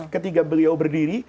ketika beliau berdiri